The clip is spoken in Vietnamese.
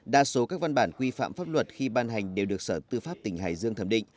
đa số các văn bản quy phạm pháp luật khi ban hành đều được sở tư pháp tỉnh hải dương thẩm định